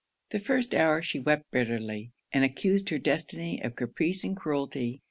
The first hour, she wept bitterly, and accused her destiny of caprice and cruelty.